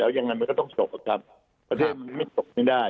แล้วยังงั้นมันก็ต้องจบครับประเทศมันไม่จบไม่ได้